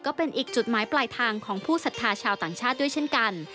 ก็เป็นอีกจุดหมายปลายทางของผู้ศรัทธาชาวต่างชาติด้วยเช่นกัน